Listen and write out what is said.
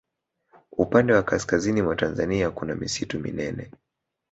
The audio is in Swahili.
upande wa kaskazini mwa tanzania kuna misitu minene